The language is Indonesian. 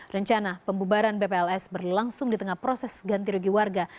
rencana pembubaran bpls berlangsung di tengah proses ganti rugi warga